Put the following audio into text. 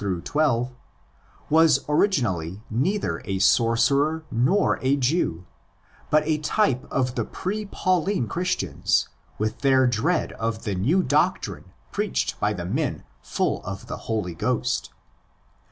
6 12) was originally neither a sorcerer nor a Jew, but a type of the pre Pauline Christians, with their dread of the new '' doctrine" preached by the men 'full of the Holy Ghost."